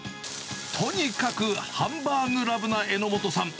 とにかくハンバーグラブな榎本さん。